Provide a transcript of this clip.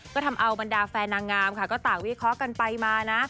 ก็ทำเอาบรรดาแฟนนางงามค่ะก็ต่างวิเคราะห์กันไปมานะ